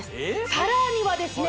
さらにはですね